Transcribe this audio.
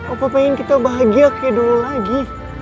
apa pengen kita bahagia kayak dulu lagi